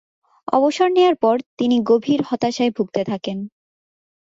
অবসর নেয়ার পর তিনি গভীর হতাশায় ভুগতে থাকেন।